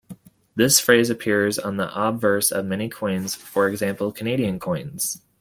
This phrase appears on the obverse of many coins, for example Canadian coins.